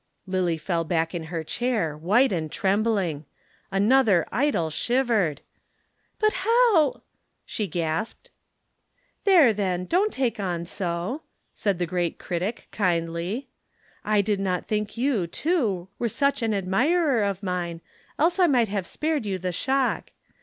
Lillie fell back in her chair, white and trembling. Another idol shivered! "But how ?" she gasped. "There, then, don't take on so," said the great critic kindly. "I did not think you, too, were such an admirer of mine, else I might have spared you the shock.